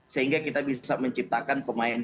sehingga kita bisa menciptakan pemain